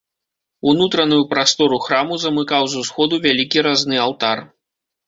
Унутраную прастору храму замыкаў з усходу вялікі разны алтар.